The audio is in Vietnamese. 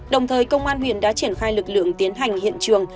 đồng thời công an huyện đã triển khai lực lượng tiến hành hiện trường